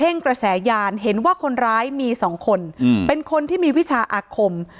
กระแสยานเห็นว่าคนร้ายมีสองคนเป็นคนที่มีวิชาอาคม